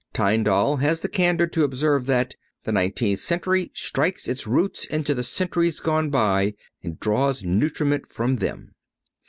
Tyndall has the candor to observe that "The nineteenth century strikes its roots into the centuries gone by and draws nutriment from them."